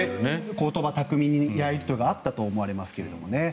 言葉巧みにやり取りがあったと思いますけどね。